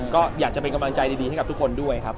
ก็อยากจะเป็นกำลังใจดีให้กับทุกคนด้วยครับ